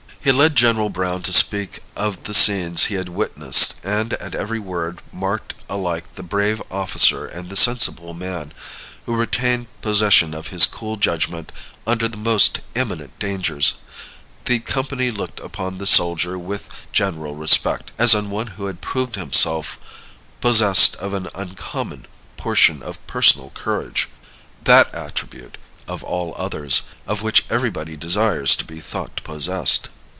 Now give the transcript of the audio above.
He led General Browne to speak of the scenes he had witnessed; and as every word marked alike the brave officer and the sensible man, who retained possession of his cool judgment under the most imminent dangers, the company looked upon the soldier with general respect, as on one who had proved himself possessed of an uncommon portion of personal courage; that attribute, of all others, of which everybody desires to be thought possessed.